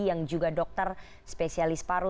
yang juga dokter spesialis paru